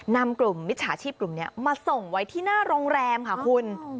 นำกลุ่มมิจฉาชีพกลุ่มนี้มาส่งไว้ที่หน้าโรงแรมค่ะคุณ